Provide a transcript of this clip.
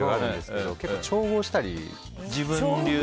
それを結構、調合したり。